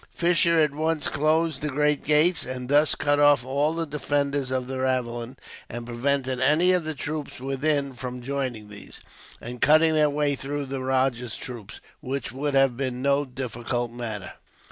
Fisher at once closed the great gates, and thus cut off all the defenders of the ravelin, and prevented any of the troops within from joining these, and cutting their way through the rajah's troops, which would have been no difficult matter.